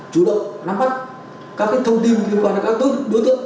chủ động nắm bắt các thông tin liên quan đến các đối tượng